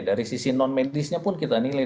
dari sisi non medisnya pun kita nilai